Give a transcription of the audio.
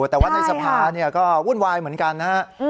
แต่ว่าในสภาก็วุ่นวายเหมือนกันนะฮะ